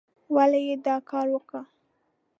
ولې یې دا کار وکه؟